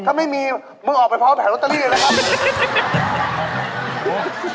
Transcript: ถ้าไม่มีมึงออกไปพาวแผ่ร์รถเตอรีเลยครับ